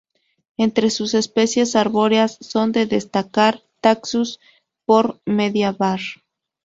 Entre sus especies arbóreas son de destacar: Taxus x media var.